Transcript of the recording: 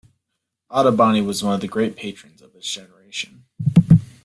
Ottoboni was one of the great patrons of his generation.